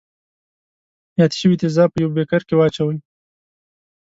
یاد شوي تیزاب په یوه بیکر کې واچوئ.